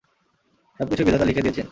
সব কিছুই বিধাতা লিখে দিয়েছেন।